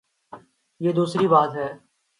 یہ دوسری بات ہے۔